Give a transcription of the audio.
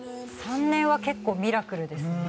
３年はミラクルですね。